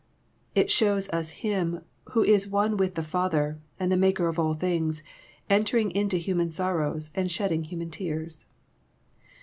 It shows us Him who is One with the Father, andj the Maker of all things, entering into human sorrows, and shedding human tears.